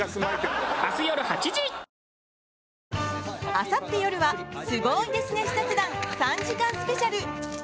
あさって夜は「スゴイデスネ！！視察団」３時間スペシャル！